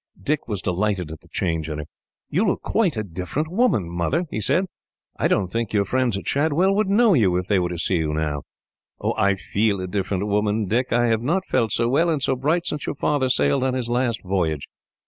Dick was delighted at the change in her. "You look quite a different woman, Mother," he said. "I don't think your friends at Shadwell would know you, if they were to see you now." "I feel a different woman, Dick. I have not felt so well and so bright since your father sailed on his last voyage.